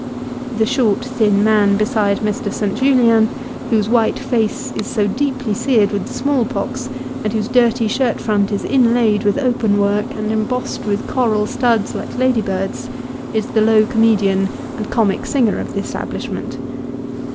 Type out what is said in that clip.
The short thin man beside Mr. St. Julien, whose white face is so deeply seared with the small pox, and whose dirty shirt front is inlaid with open work, and embossed with coral studs like ladybirds, is the low comedian and comic singer of the establishment.